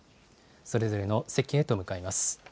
それぞれの席へと向かいます。